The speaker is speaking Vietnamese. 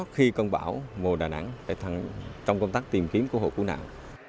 khi công bão mùa đà nẵng trong công tác tìm kiếm cố hộ cứu nạn